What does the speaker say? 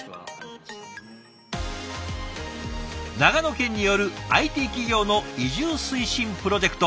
長野県によるＩＴ企業の移住推進プロジェクト